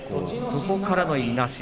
そこからのいなし。